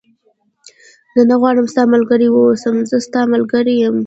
زه نه غواړم ستا ملګری و اوسم، زه ستا ملګری یم.